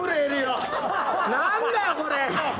何だよこれ！